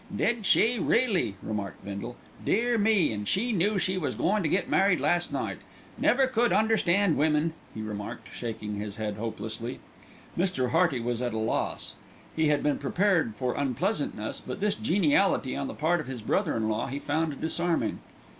"Did she really?" remarked Bindle. "Dear me! an' she knew she was goin' to get married last night. Never could understand women," he remarked, shaking his head hopelessly. Mr. Hearty was at a loss. He had been prepared for unpleasantness; but this geniality on the part of his brother in law he found disarming.